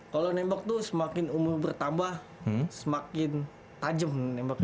kalau nembak tuh semakin umur bertambah semakin tajam nembaknya